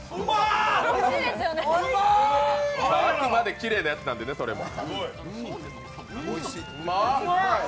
きれいなやつなんでね、それも。